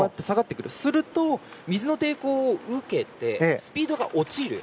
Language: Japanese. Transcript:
すると、水の抵抗を受けてスピードが落ちる。